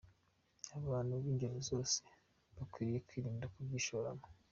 Abantu b’ingeri zose bakwiriye kwirinda kubyishoramo."